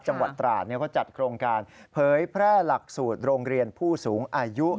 จังหวัดตราดเขาจัดโครงการเผยแพร่หลักสูตรโรงเรียนผู้สูงอายุ